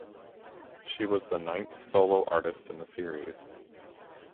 She was the ninth solo artist in the series.